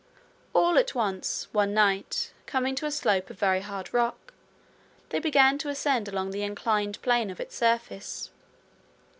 All at once, one night, coming to a slope of very hard rock, they began to ascend along the inclined plane of its surface.